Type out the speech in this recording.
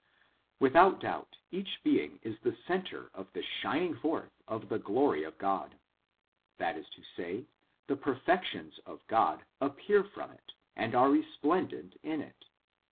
Without doubt each being is the centre of the shining forth of the glory of God : that is to say, the perfections of God appear from it and are resplendent in it.